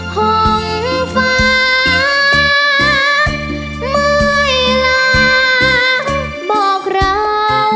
ผมฝากเมื่อเวลาบอกเรา